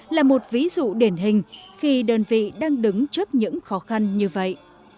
là một ví dụ điển hình khi đơn vị đang đứng trước những khó khăn như vậy